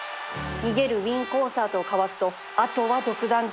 逃げるウィーンコンサートをかわすとあとは独壇場